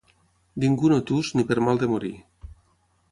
Ningú no tus ni per mal de morir.